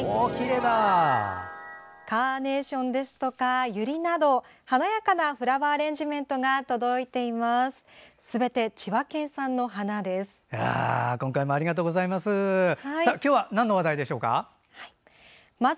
カーネーションですとかユリなど華やかなフラワーアレンジメント届いています。